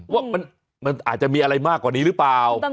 ว่ามันอาจจะมีอะไรมากกว่านี้หรือเปล่า